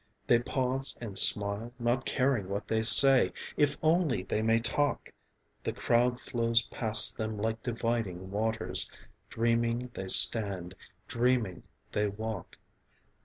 They pause and smile, not caring what they say, If only they may talk. The crowd flows past them like dividing waters. Dreaming they stand, dreaming they walk.